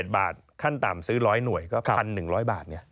๗บาทขั้นต่ำซื้อ๑๐๐หน่วยก็๑๑๐๐บาท